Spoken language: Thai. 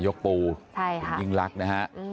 ปูคุณยิ่งลักษณ์นะฮะ